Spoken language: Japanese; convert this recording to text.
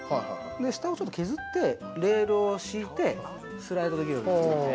下をちょっと削って、レールを敷いてスライドできるように。